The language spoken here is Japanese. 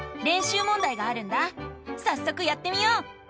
さっそくやってみよう！